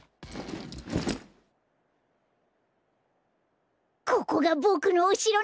ここがボクのおしろなんだ。